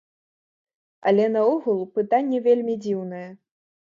Але наогул пытанне вельмі дзіўнае.